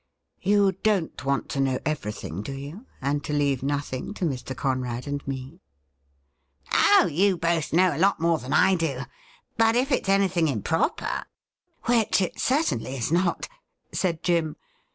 ' You don't want to know every thing, do you, and to leave nothing to Mr. Conrad and me ?*' Oh, you both know a lot more than I do. But if it's anything improper '' V^Tiich it certainly is not,' said Jim.